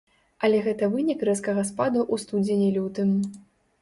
Але гэта вынік рэзкага спаду ў студзені-лютым.